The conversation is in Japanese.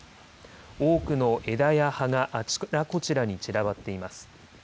多くの枝や葉があちらこちらに散らばっています。